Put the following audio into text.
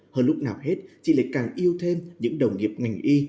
hơn lúc nào hết chị lại càng yêu thêm những đồng nghiệp ngành y